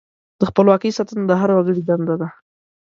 د خپلواکۍ ساتنه د هر وګړي دنده ده.